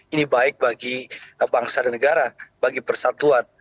ini baik bagi bangsa dan negara bagi persatuan